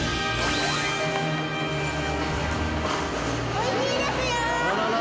美味しいですよ！